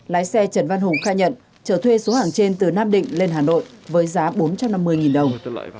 lái xe trần văn hùng khai nhận trở thuê số hàng trên từ nam định lên hà nội với giá bốn trăm năm mươi đồng